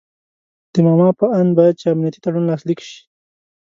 د ماما په آند باید چې امنیتي تړون لاسلیک شي.